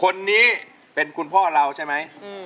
คนนี้เป็นคุณพ่อเราใช่ไหม